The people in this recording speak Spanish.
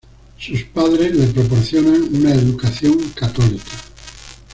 Sus padres le proporcionan una educación católica.